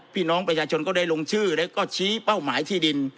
พี่น้องประชาชนก็ได้ลงชื่อแล้วก็ชี้เป้าหมายที่ดิน